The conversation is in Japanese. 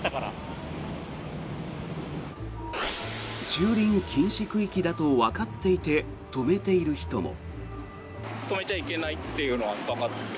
駐輪禁止区域だとわかっていて止めている人も。